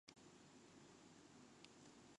豚に人権を与えぬことを、非道と謗られた国家はない